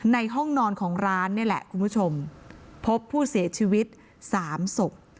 ในห้องนอนของร้านนี่แหละคุณผู้ชมพบผู้เสียชีวิตสามศพ